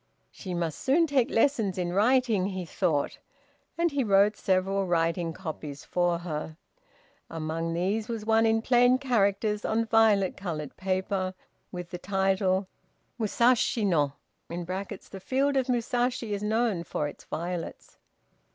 "She must soon take lessons in writing," he thought, and he wrote several writing copies for her. Among these was one in plain characters on violet colored paper, with the title, "Musashi no" (The field of Musashi is known for its violets).